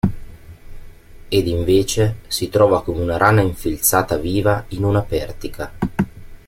Ed invece si trova come una rana infilzata viva in una pertica.